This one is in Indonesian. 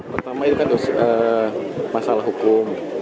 pertama itu kan masalah hukum